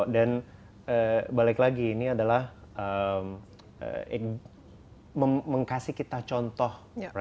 dan balik lagi ini adalah mengkasih kita contoh